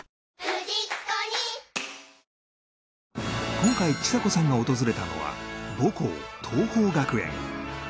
今回ちさ子さんが訪れたのは母校桐朋学園